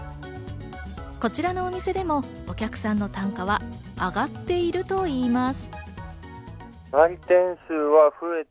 こちらのお店でもお客さんの単価は上がっているといいます。